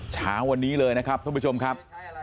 เช้าวันนี้เลยนะครับ